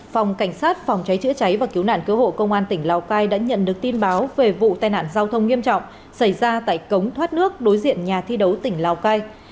phòng cảnh sát phòng cháy chữa cháy và cứu nạn cứu hộ công an tỉnh lào cai đã nhận được tin báo về vụ tai nạn giao thông nghiêm trọng xảy ra tại cống thoát nước đối diện nhà thi đấu tỉnh lào cai